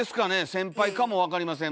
先輩かもわかりません